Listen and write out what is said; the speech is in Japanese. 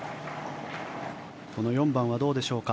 この４番はどうでしょうか。